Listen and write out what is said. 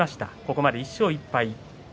ここまで１勝１敗。